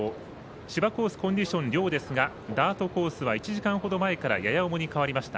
芝コンディション、良ですがダートコースは１時間ほど前からやや重に変わりました。